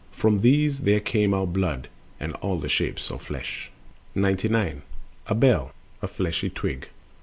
From these There came our blood and all the shapes of flesh. The Ear. 99. A bell... a fleshy twig.